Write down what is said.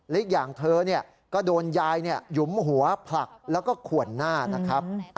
อีกอย่างเธอก็โดนยายหยุมหัวผลักแล้วก็ขวนหน้านะครับ